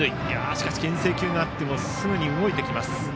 しかし、けん制球があってもすぐに動いてきます。